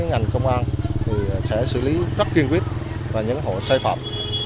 ngành công an sẽ xử lý rất kiên quyết và những hộ sai phạm